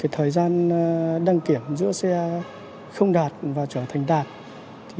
thời gian đăng kiểm giữa xe không đạt và trở thành đạt